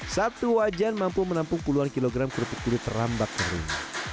satu wajan mampu menampung puluhan kilogram kerupuk kulit rambak daring